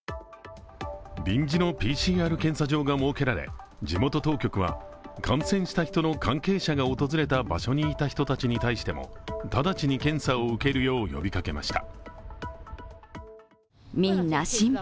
臨時のＰＣＲ検査場が設けられ、地元当局は、感染した人の関係者が訪れた場所にいた人に対しても直ちに検査を受けるよう呼びかけました。